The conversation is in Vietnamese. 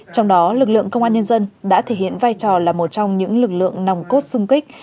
trong đó lực lượng công an nhân dân đã thể hiện vai trò là một trong những lực lượng nòng cốt sung kích